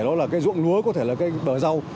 đó là cái ruộng lúa có thể là cái bờ rau